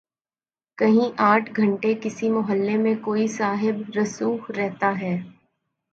کہیں آٹھ گھنٹے کسی محلے میں کوئی صاحب رسوخ رہتا ہے۔